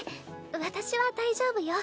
私は大丈夫よ。